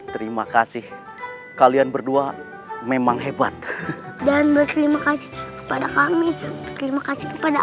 terima kasih kalian berdua memang hebat dan berterima kasih kepada kami terima kasih kepada